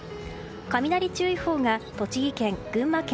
雷注意報が栃木県、群馬県